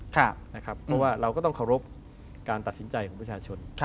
เพราะว่าเราก็ต้องเคารพการตัดสินใจของประชาชน